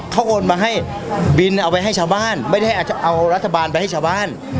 เขาโอนมาให้บินเอาไปให้ชาวบ้านไม่ได้เอารัฐบาลไปให้ชาวบ้าน